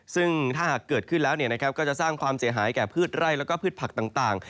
ซึ่งถ้าหากเกิดขึ้นแล้วก็จะสร้างความเสียหายแก่พืชไร่แล้วก็พืชผักต่าง